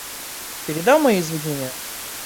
Передал мои извинения?